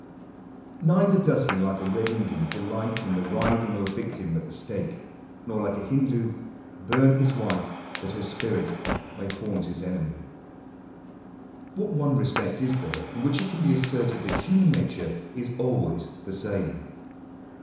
Neither does he, Digitized by VjOOQIC INTRODUCTION. CJIEk like a red Indian, delight in the writhing of a victim at the stake; nor, like a Hindoo, hum his wife that her spirit may haunt his enemy. What one respect is there in which it can he asserted that human nature is always the same?